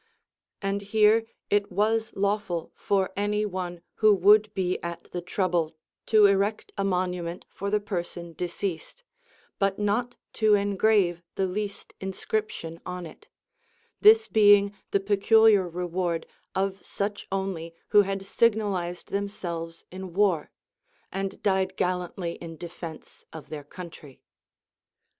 And here it Avas lawful for any one who would be at the trouble to erect a monument for the person de ceased, but not to engrave the least inscription on it ; this being the peculiar reward of such only who had signalized themselves in war, and died gallantly in defence of their country.